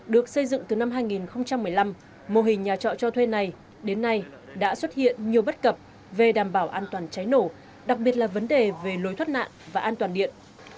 được xây dựng từ năm hai nghìn một mươi năm mô hình nhà trọ cho thuê này đến nay đã xuất hiện nhiều bất cập về đảm bảo an toàn cháy nổ đặc biệt là vấn đề về lối thoát nạn và an toàn điện